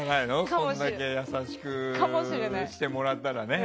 それだけ優しくしてもらったらね。